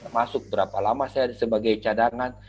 masuk berapa lama saya sebagai cadangan